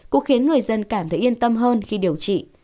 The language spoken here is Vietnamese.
cũng khiến người dân cảm thấy yên tâm hơn khi điều trị